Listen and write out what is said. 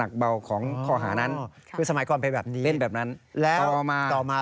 แล้วต่อมาแล้วฮะ